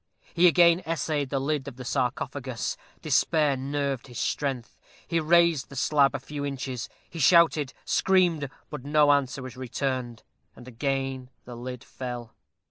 He again essayed the lid of the sarcophagus. Despair nerved his strength. He raised the slab a few inches. He shouted, screamed, but no answer was returned; and again the lid fell.